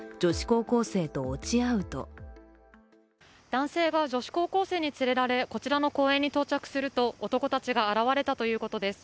男性が女子高校生に連れられこちらの公園に到着すると男たちが現れたということです。